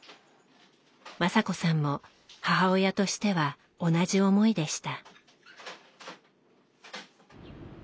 雅子さんも母親としては同じ思いでした。